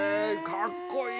かっこいい。